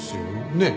ねえ？